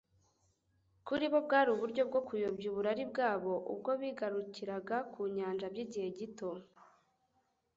Kuri bo bwari uburyo bwo kuyobya uburari bwabo ubwo bigarukiraga ku nyanja by'igihe gito.